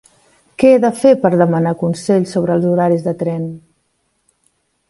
Què he de fer per demanar consell sobre els horaris de tren?